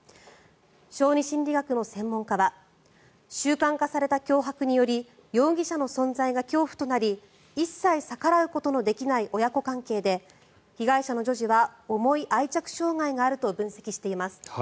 小児心理学の専門家は習慣化された脅迫により容疑者の存在が恐怖となり一切逆らうことのできない親子関係で被害者の女児は重い愛着障害があると分析しています。